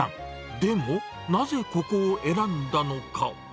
でも、なぜここを選んだのか。